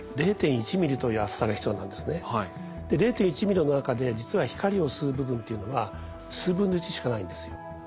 ０．１ミリの中で実は光を吸う部分っていうのは数分の１しかないんですよ。